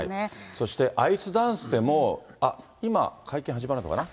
そしてアイスダンスでも、あっ、今、会見始まるのかな。